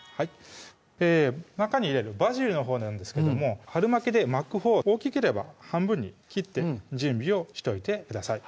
中に入れるバジルのほうなんですけども春巻きで巻くほうは大きければ半分に切って準備をしといてください